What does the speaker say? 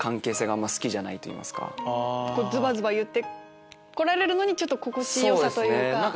ズバズバ言って来られるのに心地良さというか。